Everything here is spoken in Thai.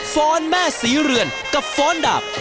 ฟ้อนแม่ศรีเรือนกับฟ้อนดาบ